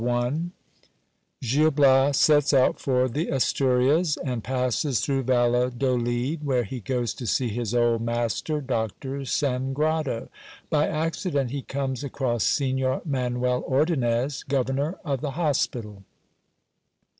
Ch. I. — Gil Bias sets out for the Asturias ; and passes through Valladolid, where he goes to see his old master, Doctor Sangrado. By accident, he conies across Signor Manuel Ordonnez, governor oftlie hospital.